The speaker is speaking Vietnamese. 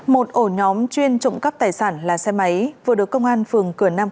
một ổ nhóm chuyên trộm cắp tài sản là xe máy vừa được công an phường cửa nam